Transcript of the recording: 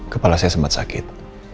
kepala saya sempat sakit